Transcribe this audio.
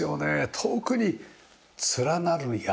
遠くに連なる山。